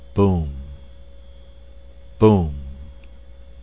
Boom.... Boom....